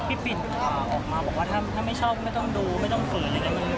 ปิ่นออกมาบอกว่าถ้าไม่ชอบไม่ต้องดูไม่ต้องฝืนอะไรอย่างนี้